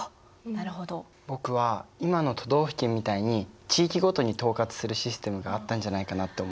僕は今の都道府県みたいに地域ごとに統括するシステムがあったんじゃないかなって思う。